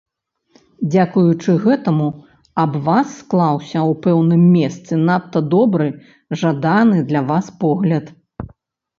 Дзякуючы гэтаму аб вас склаўся ў пэўным месцы надта добры, жаданы для вас погляд.